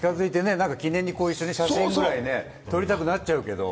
記念に写真くらい撮りたくなっちゃうけれども。